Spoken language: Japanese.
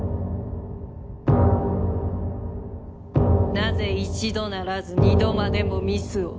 なぜ一度ならず二度までもミスを？